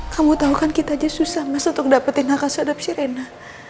kamu tau kan kita aja susah mas untuk dapetin hak asal hadap si rena